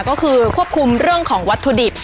ก็คือควบคุมเรื่องของวัตถุดิบ